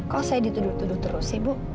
kok saya dituduh tuduh terus ibu